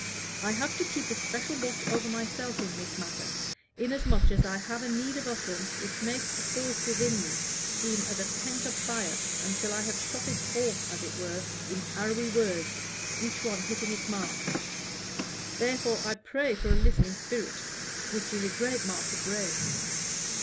I have to keep a special watch over myself in this matter, inasmuch as I have need of utterance which makes the thought within me seem as a pent up fire, until I have shot it forth, as it were, in arrowy words, each one hitting its mark. Therefore I pray for a listening spirit, which is a great mark of grace.